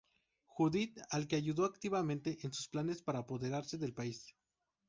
Judit al que ayudó activamente en sus planes para apoderarse del país.